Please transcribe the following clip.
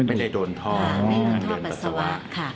ไม่ได้โดนท่อไม่ได้โดนท่อปัสสาวะค่ะ